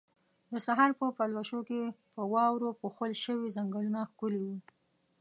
د سحر په پلوشو کې په واورو پوښل شوي ځنګلونه ښکلي وو.